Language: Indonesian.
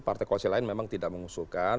partai koalisi lain memang tidak mengusulkan